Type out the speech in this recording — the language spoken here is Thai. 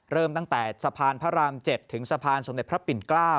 เริ่มตั้งแต่สะพานพระราม๗ถึงสะพานสมเด็จพระปิ่น๙